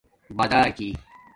باداکی